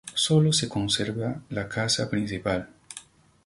Sólo se conserva la casa principal.